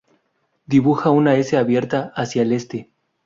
Dibuja una S abierta hacia el este.